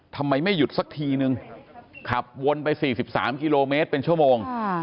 ทำไมไม่หยุดสักทีนึงขับวนไป๔๓กิโลเมตรเป็นชั่วโมง